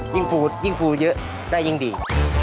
ยิ่งฟูเยอะได้ยิ่งดี